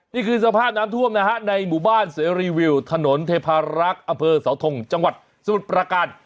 นี่คือสภาพน้ำท่วมนะฮะในหมู่บ้านเสรีวิวถนนเทพารักษ์อำเภอเสาทงจังหวัดสมุทรประการ